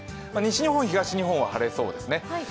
西日本、東日本はほぼ晴れそうですね。